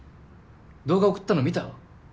動画送ったの見た？